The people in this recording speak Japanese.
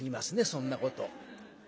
そんなこと。